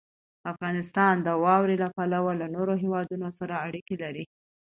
افغانستان د واوره له پلوه له نورو هېوادونو سره اړیکې لري.